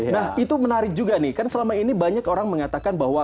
nah itu menarik juga nih kan selama ini banyak orang mengatakan bahwa